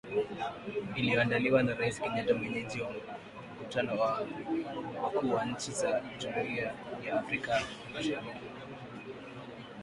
iliyoandaliwa na Rais Kenyatta mwenyeji wa mkutano wa wakuu wa nchi za jumuia ya Afrika ya mashariki